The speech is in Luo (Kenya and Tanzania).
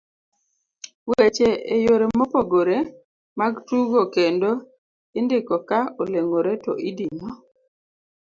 weche e yore mopogore mag tugo kendo indiko ka oleng'ore to idino